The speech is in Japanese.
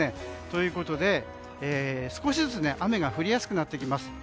ということで少しずつ雨が降りやすくなってきます。